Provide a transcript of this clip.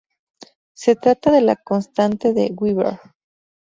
Se trata de la constante de Weber.